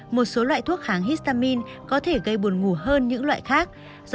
một số loại thuốc kháng histamine có thể gây buồn ngủ hơn những loại thông mũi